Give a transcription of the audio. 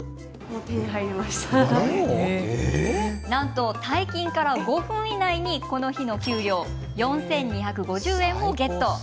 なんと、退勤から５分以内にこの日の給料４２５０円をゲット。